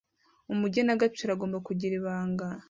umugenagaciro agomba kugira ibanga